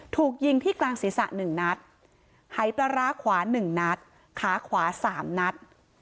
ถูกยิงที่กลางศีรษะ๑นัดหายปลาร้าขวา๑นัดขาขวา๓นัด